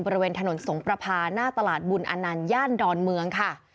บริเวณถนนสงประพาหน้าตลาดบุญอนันต์ย่านดอนเมืองค่ะ